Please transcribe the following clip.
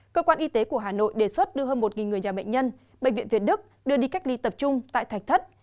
cơ quan y tế của hà nội đề xuất đưa hơn một người nhà bệnh nhân bệnh viện việt đức đưa đi cách ly tập trung tại thạch thất